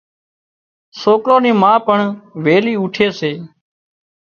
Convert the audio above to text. سوڪران ني ما پڻ ويلِي اُوٺي سي۔